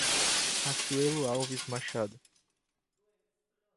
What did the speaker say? Asuelo Alves Machado